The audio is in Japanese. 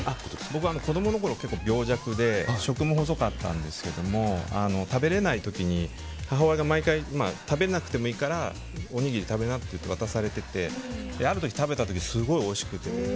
僕は子供のころ結構病弱で食も細かったんですが食べられない時に母親が毎回食べなくてもいいから食べなって渡されててある時食べたらすごいおいしくて。